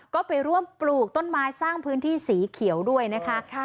ก็ไปร่วมปลูกต้นไม้สร้างพื้นที่สีเขียวด้วยนะคะ